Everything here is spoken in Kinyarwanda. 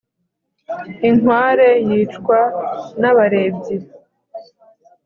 inkware yicwa n’abarebyi